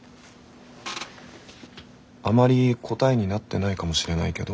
あまり答えになってないかもしれないけど。